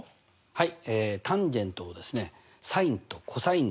はい。